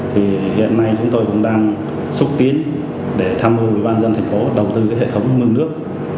hiện nay chúng tôi cũng đang xúc tiến để tham hồ bộ đồng tư hệ thống mương nước